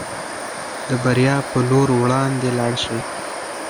د بریا په لور وړاندې لاړ شئ.